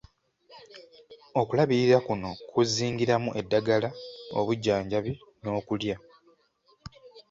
Okulabirira kuno kuzingiramu eddagala, obujjanjabi n'okulya.